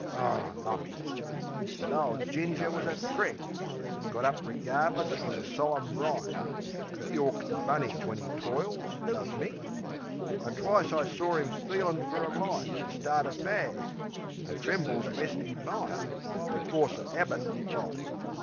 O, lumme! But ole Ginger was a trick! Got up regardless fer the solim rite. ('E 'awks the bunnies when 'e toils, does Mick) An' twice I saw 'im feelin' fer a light To start a fag; an' trembles lest'e might, Thro' force o' habit like.